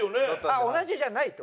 同じじゃないと？